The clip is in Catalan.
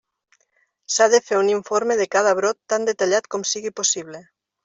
S'ha de fer un informe de cada brot tan detallat com sigui possible.